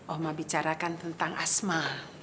oma bicarakan tentang asma